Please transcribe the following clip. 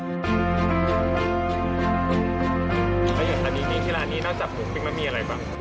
แล้วอย่างที่ร้านนี้นอกจากกลุ่มพิมพ์แล้วมีอะไรบ้าง